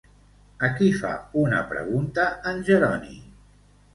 A qui fa una pregunta en Jeroni?